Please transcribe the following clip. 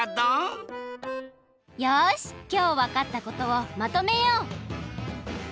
よしきょうわかったことをまとめよう！